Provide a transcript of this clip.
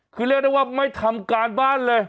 คือเรียกได้ว่าไม่ทำการบ้านเลย